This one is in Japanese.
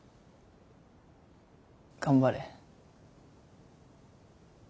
頑張れ。